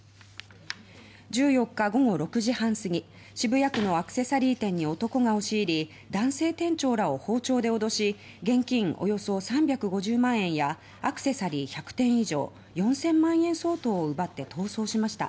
１４日午後６時半すぎ渋谷区のアクセサリー店に男が押し入り男性店長らを包丁で脅し現金およそ３５０万円やアクセサリー１００点以上４０００万円相当を奪って逃走しました。